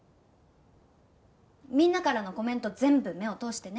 みんなからのコメント全部目を通してね。